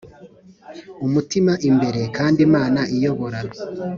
umutima imbere, kandi imana iyobora!